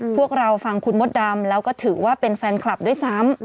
พวกเราฟังคุณมดดำแล้วก็ถือว่าเป็นแฟนคลับด้วยซ้ำ